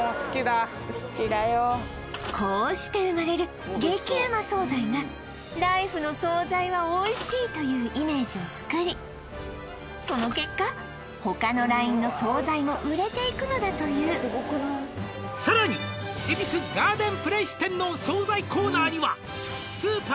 こうして生まれる激ウマ惣菜が「ライフの惣菜はおいしい」というイメージをつくりその結果他のラインの惣菜も売れていくのだという「さらに恵比寿ガーデンプレイス店の惣菜コーナーには」